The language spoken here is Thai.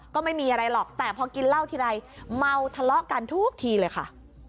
ก็ไม่มีอะไรหรอกแต่พอกินเหล้าทีไรเมาทะเลาะกันทุกทีเลยค่ะ